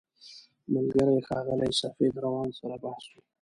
ملګري ښاغلي سفید روان سره بحث و.